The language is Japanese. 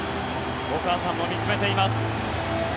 お母さんも見つめています。